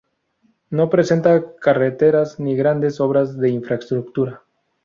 No presenta carreteras, ni grandes obras de infraestructura.